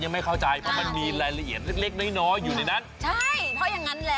ยังไม่เข้าใจเพราะมันมีรายละเอียดเล็กน้อยน้อยอยู่ในนั้น